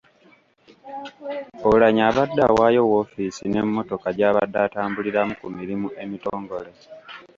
Oulanyah abadde awaayo woofiisi n’emmotoka gy’abadde atambuliramu ku mirimu emitongole.